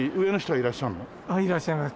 いらっしゃいます。